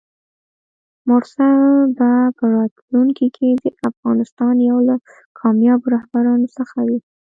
مرسل به په راتلونکي کې د افغانستان یو له کاميابو رهبرانو څخه وي!